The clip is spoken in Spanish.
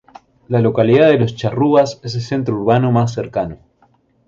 La localidad de Los Charrúas es el centro urbano más cercano.